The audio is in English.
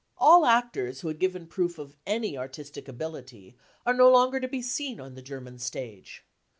All actors who had given proof of any artistic ability are no longer to be seen on the German stage.